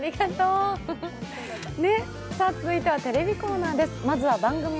続いてはテレビコーナーです。